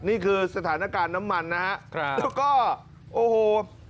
นี่คือสถานการณ์น้ำมันนะฮะแล้วก็โอ้โห